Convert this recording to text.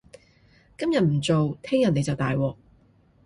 今日唔做，聽日你就大鑊